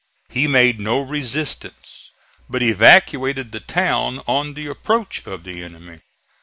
He made no resistance, but evacuated the town on the approach of the enemy.